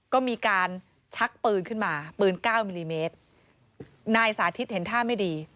ก็มีการชักปืนขึ้นมาปืนเก้ามิลลิเมตรนายสาธิตเห็นท่าไม่ดี